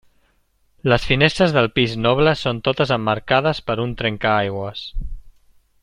Les finestres del pis noble són totes emmarcades per un trencaaigües.